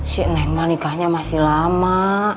si neng mau nikahnya masih lama